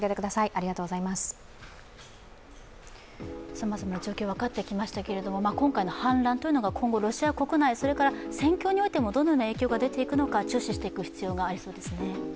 さまざまな状況が分かってきましたけれども今回の反乱というのが今後、ロシア国内、それから戦況においてもどのような影響が出て行くのか、注視していく必要がありそうですね。